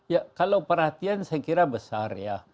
ya kalau perhatian saya kira besar ya